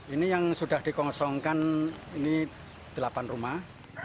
ini yang sudah dikosongkan ini delapan rumah